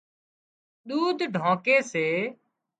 ۮُوڌ ڍانڪي سي